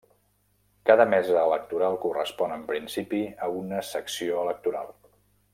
Cada mesa electoral correspon, en principi, a una secció electoral.